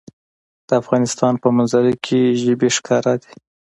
د افغانستان په منظره کې ژبې ښکاره ده.